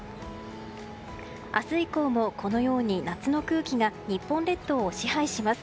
明日以降もこのように夏の空気が日本列島を支配します。